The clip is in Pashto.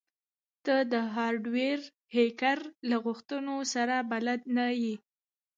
ته د هارډویر هیکر له غوښتنو سره بلد نه یې